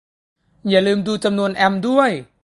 อย่าลืมดูจำนวนแอมป์ด้วย